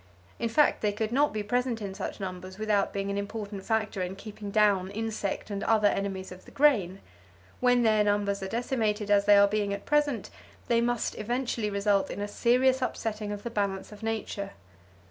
In fact they could not be present in such numbers without being an important factor in keeping down insect and other enemies of the grain. When their numbers are decimated as they are being at present, there must eventually result a serious upsetting of the balance of nature.